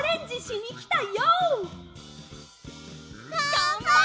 がんばれ！